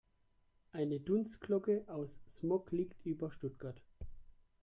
Eine Dunstglocke aus Smog liegt über Stuttgart.